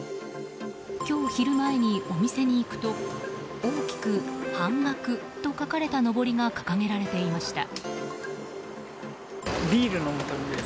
今日昼前にお店に行くと大きく「半額」と書かれたのぼりが掲げられていました。